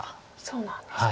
そうなんですか。